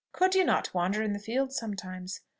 Could you not wander in the fields sometimes?"